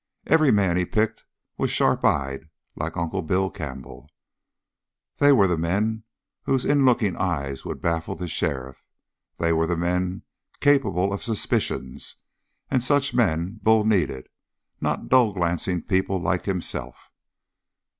Every man he picked was sharp eyed like Uncle Bill Campbell. They were the men whose inlooking eyes would baffle the sheriff; they were the men capable of suspicions, and such men Bull needed not dull glancing people like himself.